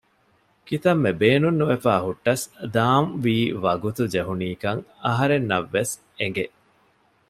ކިތަންމެ ބޭނުން ނުވެފައި ހުއްޓަސް ދާން ވީ ވަގުތު ޖެހުނީކަން އަހަރެންނަށް ވެސް އެނގެ